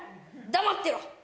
黙ってろ！